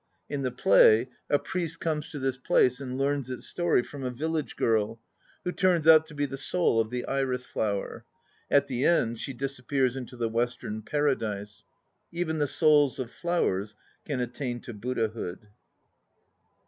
In the play, a priest comes to this place and learns its story from a village girl, who turns out to be the "soul of the iris flower." At the end she disappears into the Western Paradise. "Even the souls of flowers can attain to Buddhahood."